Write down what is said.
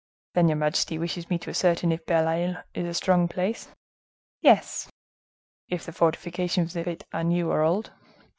"Then your majesty wishes me to ascertain if Belle Isle is a strong place?" "Yes." "If the fortifications of it are new or old?"